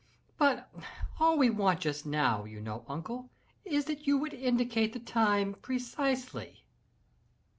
But all we want just now, you know, uncle, is that you would indicate the time precisely."